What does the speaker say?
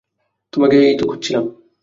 তোমাকেই তো খুঁজছিলাম।